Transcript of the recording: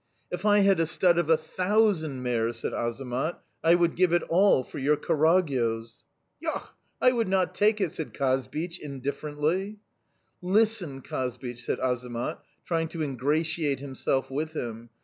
"'If I had a stud of a thousand mares,' said Azamat, 'I would give it all for your Karagyoz!' "'Yok! I would not take it!' said Kazbich indifferently. "'Listen, Kazbich,' said Azamat, trying to ingratiate himself with him.